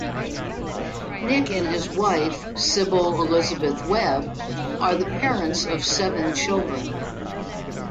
Nick and his wife, Sybil Elizabeth Webb, are the parents of seven children.